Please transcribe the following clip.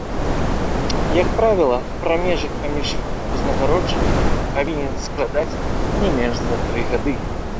Як правіла, прамежак паміж узнагароджаннямі павінен складаць не менш за тры гады.